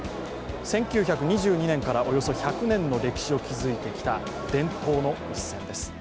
１９２２年からおよそ１００年の歴史を築いてきた伝統の一戦です。